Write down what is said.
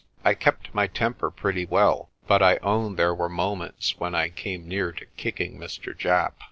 I kept my temper pretty well, but I own there were moments when I came near to kicking Mr. Japp.